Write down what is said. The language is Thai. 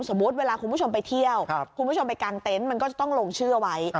เวลาคุณผู้ชมไปเที่ยวคุณผู้ชมไปกางเต็นต์มันก็จะต้องลงชื่อไว้